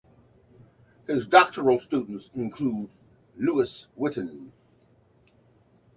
His doctoral students include Louis Witten.